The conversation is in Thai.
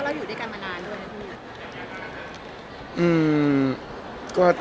ความลำบากใจในการที่ต้องแยกทางมันมากนอนขนาดไหน